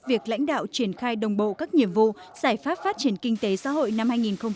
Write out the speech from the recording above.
việc lãnh đạo triển khai đồng bộ các nhiệm vụ giải pháp phát triển kinh tế xã hội năm hai nghìn hai mươi